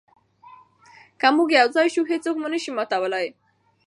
که موږ یو ځای شو، هیڅوک مو نه شي ماتولی.